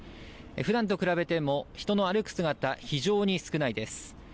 ふだんと比べても、人の歩く姿、非常に少ないです。